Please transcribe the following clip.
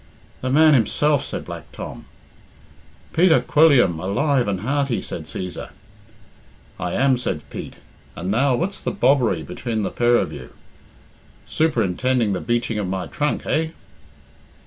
"The man himself," said Black Tom. "Peter Quilliam alive and hearty," said Cæsar. "I am," said Pete. "And now, what's the bobbery between the pair of you? Shuperintending the beaching of my trunk, eh?"